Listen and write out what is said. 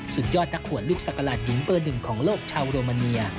สุดยอดนักขวดลูกศักราชหญิงเบอร์หนึ่งของโลกชาวโรมาเนีย